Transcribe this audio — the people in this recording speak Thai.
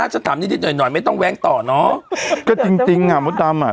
จะถามนิดนิดหน่อยหน่อยไม่ต้องแว้งต่อเนอะก็จริงจริงอ่ะมดดำอ่ะ